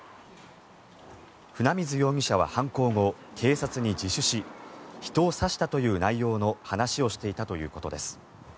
船水容疑者は犯行後警察に自首し人を刺したという内容の話をしていたということです。